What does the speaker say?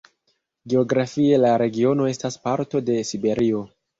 Geografie la regiono estas parto de Siberio.